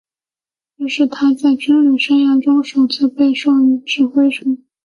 这是他在军旅生涯中首次被授予指挥权。